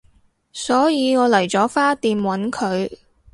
所以我嚟咗花店搵佢